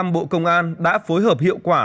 bộ công an đã phối hợp hiệu quả